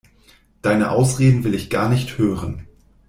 Deine Ausreden will ich gar nicht hören.